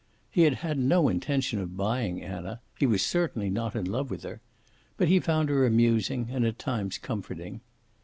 He had had no intention of buying Anna. He was certainly not in love with her. But he found her amusing and at times comforting.